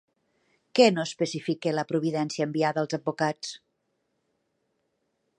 Què no especifica la providència enviada als advocats?